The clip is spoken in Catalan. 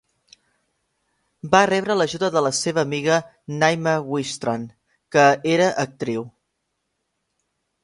Va rebre l'ajuda de la seva amiga Naima Wifstrand, que era actriu.